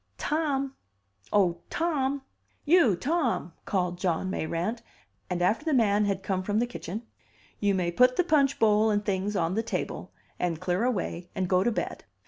"Tom, oh Tom! you Tom!" called John Mayrant; and after the man had come from the kitchen: "You may put the punch bowl and things on the table, and clear away and go to bed.